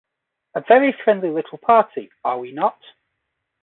A very friendly little party, are we not?